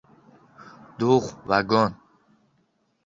Duh vagon.